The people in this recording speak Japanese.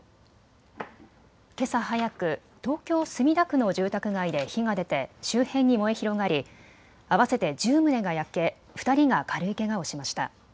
けさ早く東京墨田区の住宅街で火が出て周辺に燃え広がり合わせて１０棟が焼け２人が軽いけがをしました。